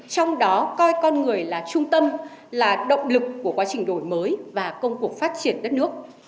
trong đó coi con người là trung tâm là động lực của quá trình đổi mới và công cuộc phát triển đất nước